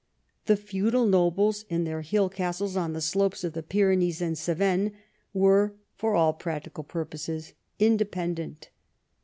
The feudal nobles, in their hill castles on the slopes of the Pyrenees and Cevennes, were for all practical purposes independent.